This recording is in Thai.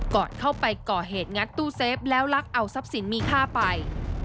ก่อนเข้าไปก่อเหตุงัดตู้เซฟแล้วลักเอาทรัพย์สินมีค่าไป